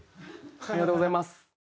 ありがとうございます。